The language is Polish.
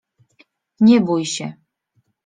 Nie bój się.